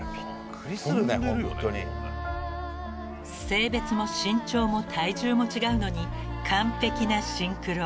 ［性別も身長も体重も違うのに完璧なシンクロ］